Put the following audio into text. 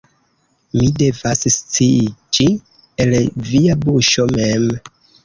Mi devas sciiĝi el via buŝo mem.